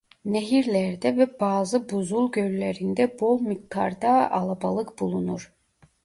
Nehirlerde ve bazı buzul göllerinde bol miktarda alabalık bulunur.